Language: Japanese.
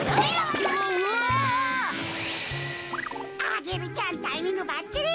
アゲルちゃんタイミングばっちり。